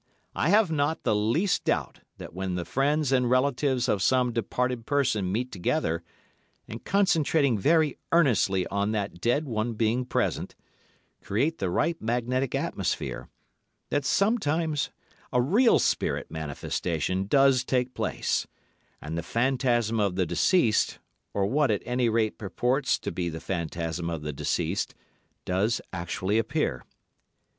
I have not the least doubt that when the friends and relatives of some departed person meet together, and, concentrating very earnestly on that dead one being present, create the right magnetic atmosphere, that sometimes a real spirit manifestation does take place, and the phantasm of the deceased, or what at any rate purports to be the phantasm of the deceased, does actually appear.